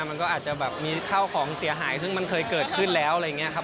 มันก็อาจจะแบบมีข้าวของเสียหายซึ่งมันเคยเกิดขึ้นแล้วอะไรอย่างนี้ครับ